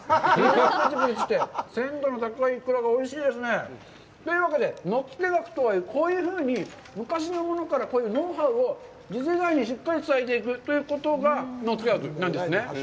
プチプチして、鮮度の高いいくらがおいしいですね。というわけで、野付学とは、こういうふうに昔のものからこういうノウハウを次世代にしっかり伝えていくということが野付学なんですね。